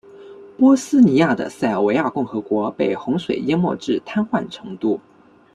波斯尼亚的塞尔维亚共和国被洪水淹没至瘫痪程度。